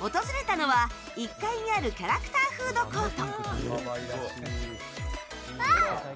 訪れたのは１階にあるキャラクターフードコート。